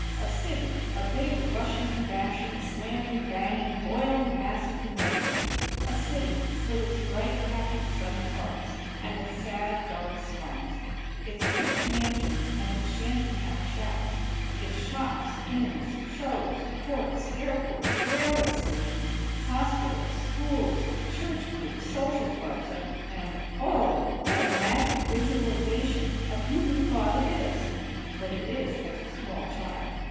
A city, a big, rushing, dashing, slamming, banging, boiling mass of humanity! A city; with its bright, happy, sunny parks; and its sad, dark slums; its rich mansions and its shanty town shacks; its shops, inns, shows, courts, airports, railway stations, hospitals, schools, church groups, social clubs, and, and, Oh! What a magic visualization of human thought it is! But it is as a small child.